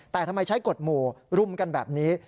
แต่ทำไมใช้กฎหมู่รุมกันแบบนี้